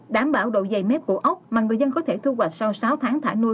đảm bảo độ dày mép của ốc mà người dân có thể thu hoạch sau sáu tháng thả nuôi